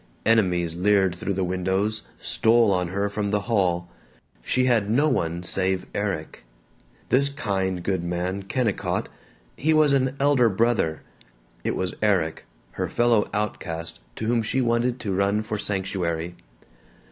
Enemies leered through the windows, stole on her from the hall. She had no one save Erik. This kind good man Kennicott he was an elder brother. It was Erik, her fellow outcast, to whom she wanted to run for sanctuary.